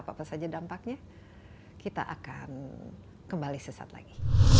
apa saja dampaknya kita akan kembali sesaat lagi